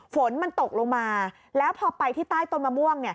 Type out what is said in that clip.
ฝนมันตกลงมาแล้วพอไปที่ใต้ต้นมะม่วง